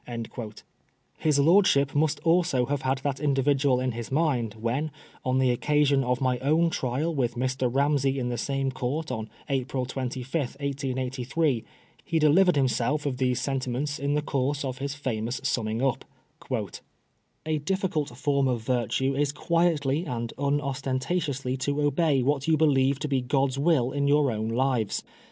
^' His lordship must also have had that individual in his mind when, on the oc casion of my own trial with Mr. Ramsey in the same Court on April 25, 1883, he delivered himself of tiiese sentiment in the course of his famous summing up :*' A difficult fonn of virtue is quietly and unostentatiously to obey what you believe to be God's will in your own lives.